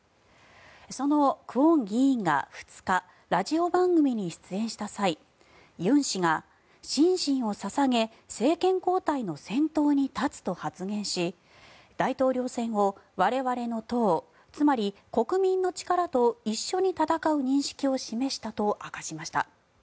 そのクォン議員が２日ラジオ番組に出演した際ユン氏が、心身を捧げ政権交代の先頭に立つと発言し大統領選を我々の党、つまり国民の力と一緒に戦う認識を示したと明かしました。